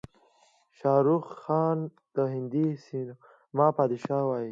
شاروخ خان ته د هندي سينما بادشاه وايې.